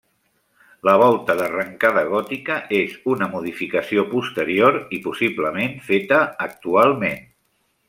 La volta d'arrencada gòtica és una modificació posterior i possiblement feta actualment.